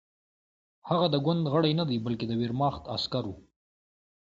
هغه د ګوند غړی نه دی بلکې د ویرماخت عسکر و